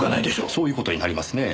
そういう事になりますねぇ。